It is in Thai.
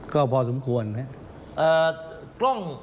ก็พอสมควรนะครับ